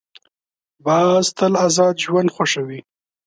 باز تل آزاد ژوند خوښوي